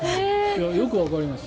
よくわかります。